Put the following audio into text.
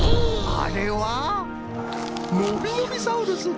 あれはのびのびサウルス。